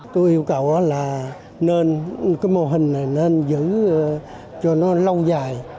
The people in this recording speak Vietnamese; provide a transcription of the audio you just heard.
tôi yêu cầu là nên cái mô hình này nên giữ cho nó lâu dài